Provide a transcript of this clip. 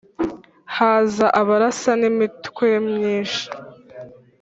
Haza Abarasa n'imitwe myinshi